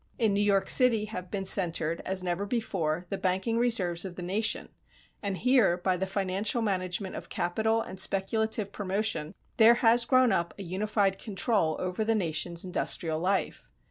In New York City have been centered, as never before, the banking reserves of the nation, and here, by the financial management of capital and speculative promotion, there has grown up a unified control over the nation's industrial life.